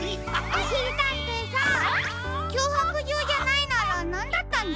おしりたんていさんきょうはくじょうじゃないならなんだったんですか？